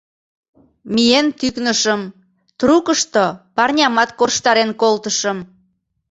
Миен тӱкнышым, трукышто парнямат корштарен колтышым.